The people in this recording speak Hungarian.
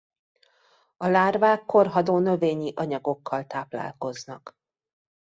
A lárvák korhadó növényi anyagokkal táplálkoznak.